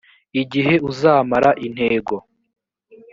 igihe uzamara intego